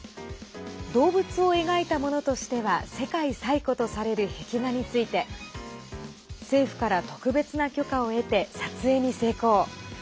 動物を描いたものとしては世界最古とされる壁画について政府から特別な許可を得て撮影に成功。